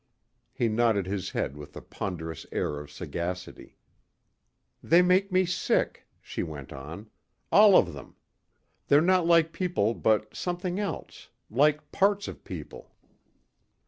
He nodded his head with a ponderous air of sagacity. "They make me sick," she went on. "All of them. They're not like people but like something else. Like parts of people."